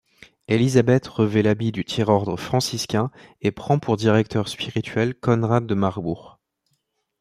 Élisabeth revêt l'habit du Tiers-ordre franciscain et prend pour directeur spirituel Conrad de Marbourg.